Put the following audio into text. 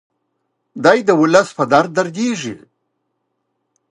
دی د ولس په درد دردیږي.